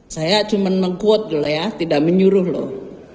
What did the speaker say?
saya cuma meng quote dulu ya tidak menyuruh loh